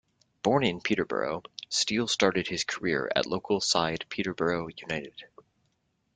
Born in Peterborough, Steele started his career at local side Peterborough United.